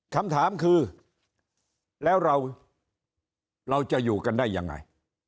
คำถามคือแล้วเราจะอยู่กันได้ยังไง